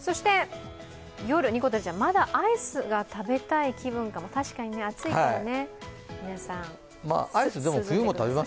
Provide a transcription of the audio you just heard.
夜、にこてるちゃん、まだアイスが食べたい気分かも、確かにね、暑いからね。